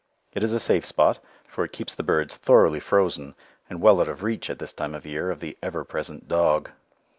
It is a safe spot, for it keeps the birds thoroughly frozen, and well out of reach, at this time of year, of the ever present dog.